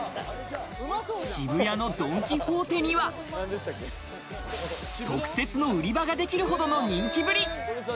渋谷のドン・キホーテには特設の売り場ができるほどの人気ぶり。